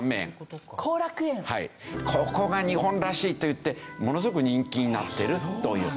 ここが日本らしいといってものすごく人気になっているという。